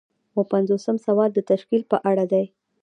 اووه پنځوسم سوال د تشکیل په اړه دی.